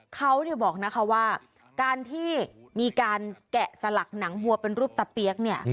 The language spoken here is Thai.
เขาบอกนะคะว่าการที่มีการแกะสลักหนังวัวเป็นรูปตะเปี๊ยกเนี่ย